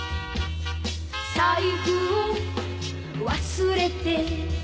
「財布を忘れて」